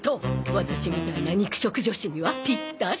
ワタシみたいな肉食女子にはピッタリね。